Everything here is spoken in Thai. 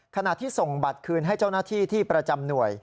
ขณะที่ส่งบัตรคืนให้เจ้าหน้าที่ที่ประจำหน่วย